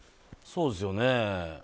そうですよね。